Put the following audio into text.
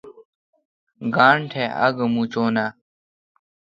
گانٹھ آگہ موچوناں؟